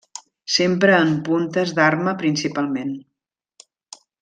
S'empra en puntes d'arma principalment.